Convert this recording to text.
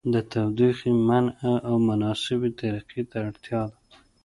د تودوخې منبع او مناسبې طریقې ته اړتیا ده.